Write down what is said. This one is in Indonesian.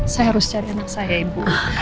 saya harus cari anak saya ibu